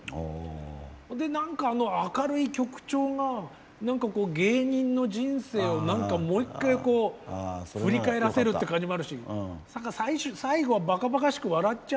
で何かあの明るい曲調が何かこう芸人の人生を何かもう１回こう振り返らせるって感じもあるし最後はバカバカしく笑っちゃおうぜっていうような気もする。